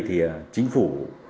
thì chính phủ